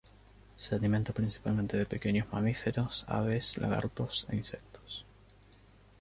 Se alimenta principalmente pequeños mamíferos, aves, lagartos e insectos.